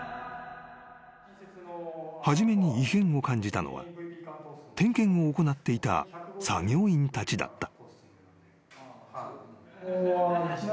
［初めに異変を感じたのは点検を行っていた作業員たちだった］